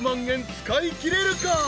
円使いきれるか？］